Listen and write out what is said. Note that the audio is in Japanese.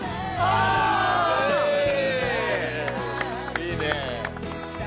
いいね。